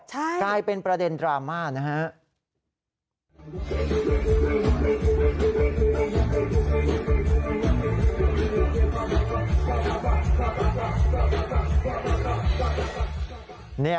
กว้าบันน้อยบันน้อย